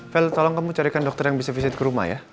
vel tolong kamu carikan dokter yang bisa visit ke rumah ya